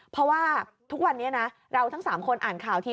เพราะว่าทุกวันนี้นะเราทั้ง๓คนอ่านข่าวที